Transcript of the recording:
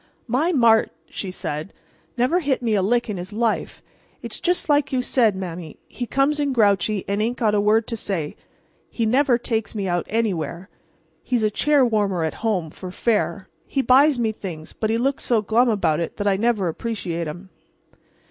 "My Mart," she said, "never hit me a lick in his life. It's just like you said, Mame; he comes in grouchy and ain't got a word to say. He never takes me out anywhere. He's a chair warmer at home for fair. He buys me things, but he looks so glum about it that I never appreciate 'em."